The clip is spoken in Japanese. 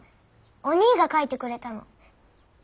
おにぃが描いてくれたの。